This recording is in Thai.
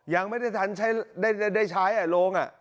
ยังไม่ได้ใช้โรง